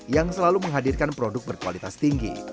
yang selalu menghadirkan produk berkualitas tinggi